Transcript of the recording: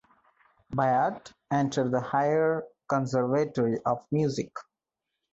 Bayat entered the Higher Conservatory of Music.